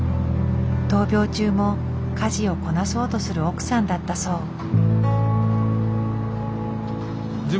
闘病中も家事をこなそうとする奥さんだったそう。